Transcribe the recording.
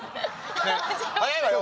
早いわよ！